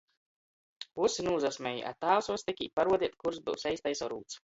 Vysi nūsasmej, a tāvs vystik īt paruodeit, kurs byus eistais orūds.